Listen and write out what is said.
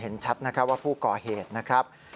เห็นชัดว่าผู้ก่อเหตุนะครับ